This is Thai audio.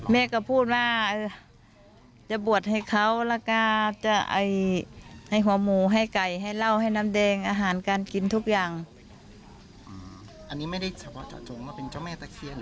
เมฆก็พูดว่าจะบวชให้เขาละกายใช้ของหมูให้ไก่ให้เหล้าให้น้ำได้อาหารการกินทุกอย่างอันนี้ไม่ได้เป็นเจ้าแม่